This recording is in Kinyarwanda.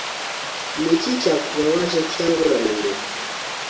niki cyakubabaje cyangwa urananiwe!